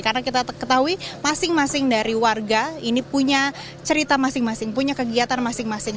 karena kita ketahui masing masing dari warga ini punya cerita masing masing punya kegiatan masing masing